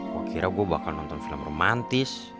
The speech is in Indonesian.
wah kira gue bakal nonton film romantis